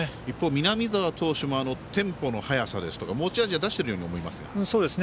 一方、南澤投手もテンポの速さですとか持ち味は出しているように思いますが。